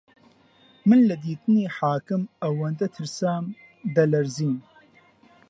من لە دیتنی حاکم ئەوەندە ترسام دەلەرزیم